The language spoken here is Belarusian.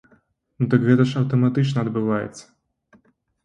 Ну так гэта ж аўтаматычна адбываецца!